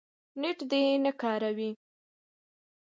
نېټ دې نه کاروي